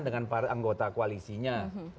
dengan anggota kualisinya